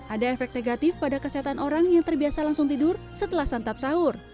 ada efek negatif pada kesehatan orang yang terbiasa langsung tidur setelah santap sahur